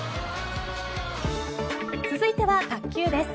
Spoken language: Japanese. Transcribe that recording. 続いては卓球です。